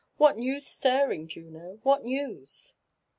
What news stirring, Juno? — what news?"